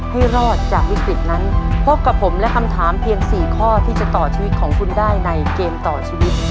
ให้รอดจากวิกฤตนั้นพบกับผมและคำถามเพียง๔ข้อที่จะต่อชีวิตของคุณได้ในเกมต่อชีวิต